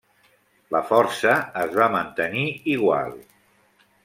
La força es va mantenir igual.